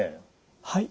はい。